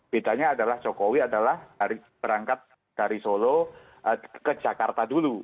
bedanya adalah jokowi adalah berangkat dari solo ke jakarta dulu